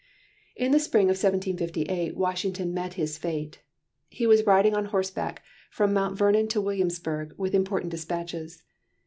In the spring of 1758, Washington met his fate. He was riding on horseback from Mount Vernon to Williamsburg with important despatches.